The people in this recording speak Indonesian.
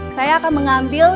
saya akan mengambil